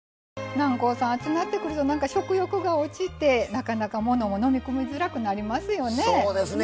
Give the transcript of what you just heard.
南光さん、暑なってくると食欲も落ちて、なかなか、ものも飲み込みづらくなりますよね。